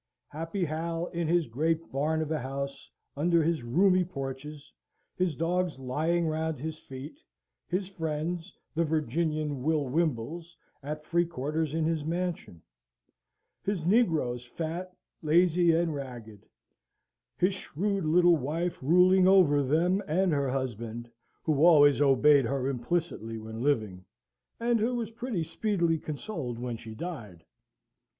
Happy Hal, in his great barn of a house, under his roomy porches, his dogs lying round his feet; his friends, the Virginian Will Wimbles, at free quarters in his mansion; his negroes fat, lazy, and ragged: his shrewd little wife ruling over them and her husband, who always obeyed her implicitly when living, and who was pretty speedily consoled when she died!